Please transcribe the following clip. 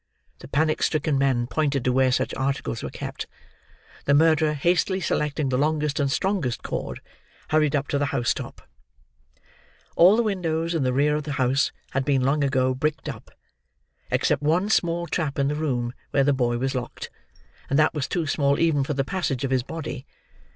The panic stricken men pointed to where such articles were kept; the murderer, hastily selecting the longest and strongest cord, hurried up to the house top. All the windows in the rear of the house had been long ago bricked up, except one small trap in the room where the boy was locked, and that was too small even for the passage of his body.